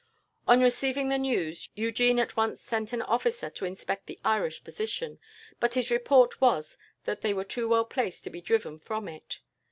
"On receiving the news, Eugene at once sent an officer to inspect the Irish position; but his report was that they were too well placed to be driven from it.